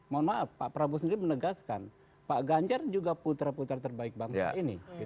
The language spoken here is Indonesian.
mohon maaf pak prabowo sendiri menegaskan pak ganjar juga putra putra terbaik bangsa ini